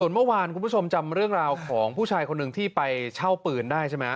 เมื่อวานคุณผู้ชมจำเรื่องราวของผู้ชายคนหนึ่งที่ไปเช่าปืนได้ใช่ไหม